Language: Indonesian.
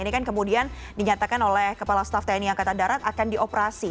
ini kan kemudian dinyatakan oleh kepala staff tni angkatan darat akan dioperasi